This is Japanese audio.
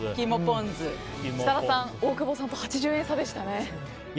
設楽さん、大久保さんと８０円差でしたね。